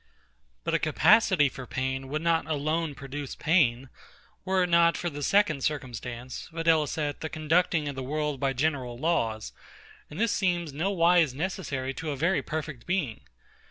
But a capacity of pain would not alone produce pain, were it not for the second circumstance, viz. the conducting of the world by general laws; and this seems nowise necessary to a very perfect Being.